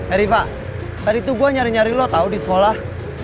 eriva tadi tuh gue nyari nyari lo tau di sekolah